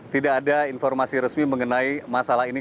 tidak ada informasi resmi mengenai masalah ini